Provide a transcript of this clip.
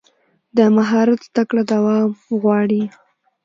د مهارت زده کړه دوام غواړي.